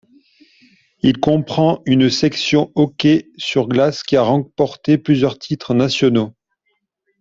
Il comprend une section hockey sur glace qui a remporté plusieurs titres nationaux.